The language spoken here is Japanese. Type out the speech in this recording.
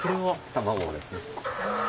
卵ですね。